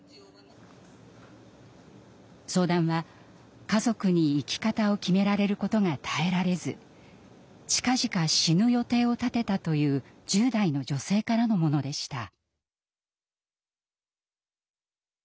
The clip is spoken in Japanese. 相談は家族に生き方を決められることが耐えられず「近々死ぬ予定を立てた」という１０代の女性からのものでした。